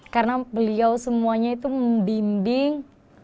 karena beliau semuanya itu membimbing